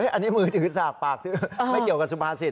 อันนี้มือถือสากปากซื้อไม่เกี่ยวกับสุภาษิต